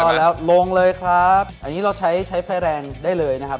พอแล้วลงเลยครับอันนี้เราใช้ใช้ไฟแรงได้เลยนะครับ